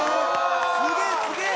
すげえすげえ！